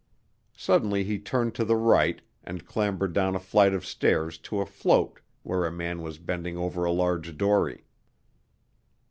Suddenly he turned to the right and clambered down a flight of stairs to a float where a man was bending over a large dory.